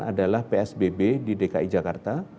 adalah psbb di dki jakarta